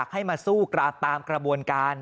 ให้มาสู้ตามกระบวนการ